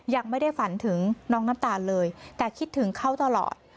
ยังไม่ได้ฝันถึงน้องน้ำตาลเลยแต่คิดถึงเขาตลอด